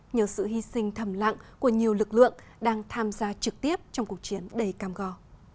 nhờ sự hy sinh thầm lặng của nhiều lực lượng đang tham gia trực tiếp trong cuộc chiến đầy cam go